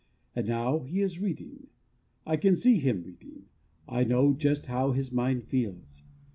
And now he is reading. I can see him reading. I know just how his mind feels!